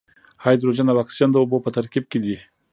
هایدروجن او اکسیجن د اوبو په ترکیب کې دي.